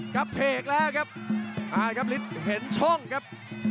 กระเภกแล้วครับมาละครับลิสต์เห็นช่องครับ